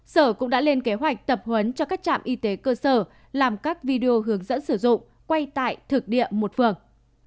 sở cũng đã lên kế hoạch tập huấn cho các trạm y tế cơ sở làm các video hướng dẫn sử dụng quay tại thực địa một phường